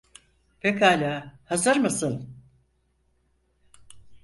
Pekala, hazır mısın?